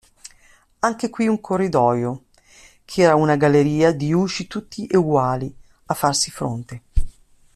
Anche qui un corridoio, ch'era una galleria di usci tutti eguali, a farsi fronte.